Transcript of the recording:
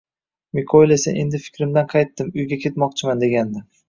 Mikoyil esa endi fikrimdan qaytdim, uyga ketmoqchiman degandi